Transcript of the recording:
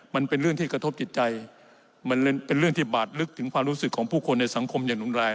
มันเป็นเรื่องที่กระทบจิตใจมันเป็นเรื่องที่บาดลึกถึงความรู้สึกของผู้คนในสังคมอย่างรุนแรง